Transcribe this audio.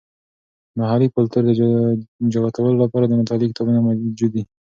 د محلي کلتور د جوتولو لپاره د مطالعې کتابونه موجود دي.